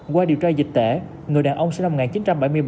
qua điều tra dịch tễ người đàn ông sinh năm một nghìn chín trăm bảy mươi ba